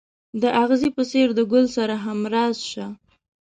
د اغزي په څېر د ګل سره همراز شه.